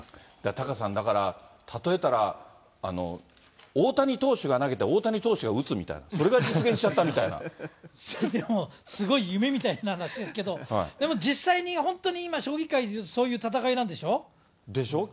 タカさん、だから、例えたら、大谷投手が投げて、大谷投手が打つみたいな、それが実現しちゃっでも、すごい夢みたいな話ですけど、でも実際に本当に今、将棋界、でしょ。